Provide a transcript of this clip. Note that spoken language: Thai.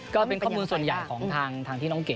ก็เป็นข้อมูลส่วนใหญ่ของทางที่น้องเกด